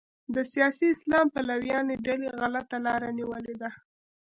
د سیاسي اسلام پلویانو ډلې غلطه لاره نیولې ده.